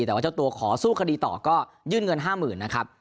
แต่ว่าเจ้าตัวขอสู้คดีต่อก็ยื่นเงิน๕๐๐๐นะครับ